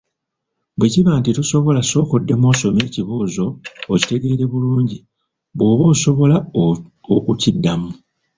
Bwe kiba nti tosobola sooka oddemu osome ekibuuzo okitegeere bulungi bw’oba osobola okukiddamu.